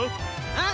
うん！